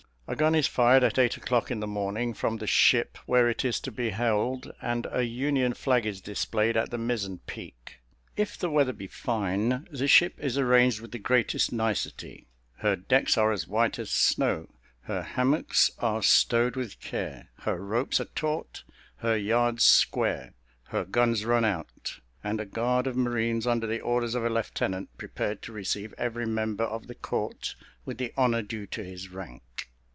A gun is fired at eight o'clock in the morning from the ship where it is to be held, and a union flag is displayed at the mizen peak. If the weather be fine, the ship is arranged with the greatest nicety; her decks are as white as snow her hammocks are stowed with care her ropes are taut her yards square her guns run out and a guard of marines, under the orders of a lieutenant, prepared to receive every member of the court with the honour due to his rank.